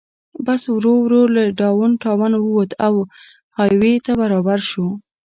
بس ورو ورو له ډاون ټاون ووت او های وې ته برابر شو.